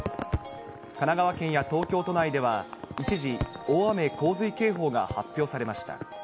神奈川県や東京都内では、一時、大雨洪水警報が発表されました。